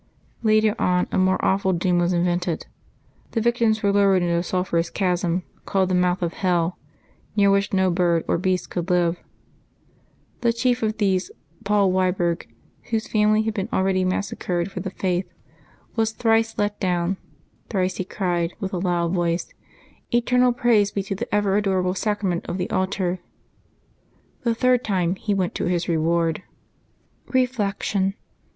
Later on, a more awful doom was invented. The victims v/ere lowered into a sulphurous chasm, called the " mouth of hell," near which no bird or beast could live. The chief of these. Febbuaey 6] LIVES OF THE SAINTS 65 Paul Wiborg, whose family had been already massacred for the faith, was thrice let down; thrice he cried, with a loud voice, " Eternal praise be to the ever adorable Sacra ment of the Altar." The third time he went to his reward. Reflection.